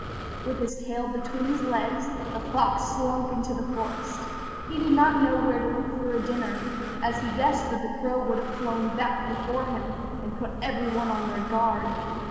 With his tail between his legs, the fox slunk into the forest. He did not know where to look for a dinner, as he guessed that the crow would have flown back before him, and put every one on their guard.